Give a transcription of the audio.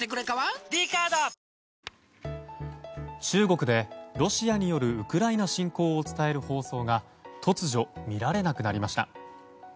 中国でロシアによるウクライナ侵攻を伝える放送が突如、見られなくなりました。